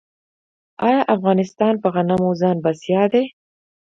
آیا افغانستان په غنمو ځان بسیا دی؟